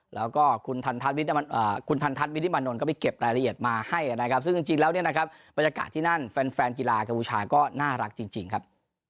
แล้วก็คุณทันทัศนวินิมานนท์ก็ไปเก็บรายละเอียดมาให้นะครับซึ่งจริงแล้วเนี่ยนะครับบรรยากาศที่นั่นแฟนกีฬากัมพูชาก็น่ารักจริงครับ